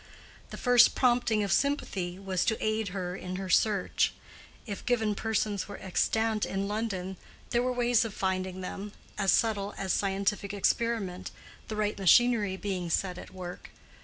The first prompting of sympathy was to aid her in her search: if given persons were extant in London there were ways of finding them, as subtle as scientific experiment, the right machinery being set at work.